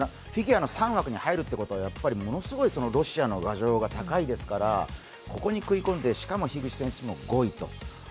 フィギュアの３枠に入るということはものすごいロシアの牙城が高いですからここに食い込んで、しかも樋口選手も５位と。